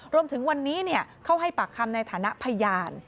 รวมถึงวันนี้เข้าให้ปากคำในฐานะพยาน